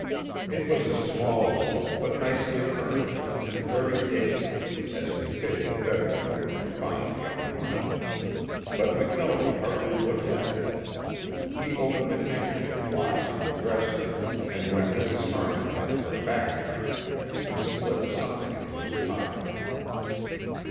It was a small room but nicely furnished and very dainty, as befitted the bedroom of a refined young woman, but McKelvie hardly looked at it. He opened a handkerchief box on the dresser and when Mrs. Harmon had her back turned he slipped something into his pocket.